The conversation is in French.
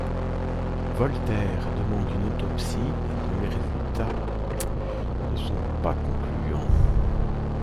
Voltaire demande une autopsie, dont les résultats ne sont pas concluants.